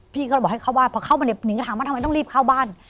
พี่ก็เลยบอกให้เข้าบ้านพอเข้ามาเนี่ยนิงก็ถามว่าทำไมต้องรีบเข้าบ้าน